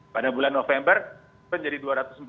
pada bulan november menjadi dua ratus empat puluh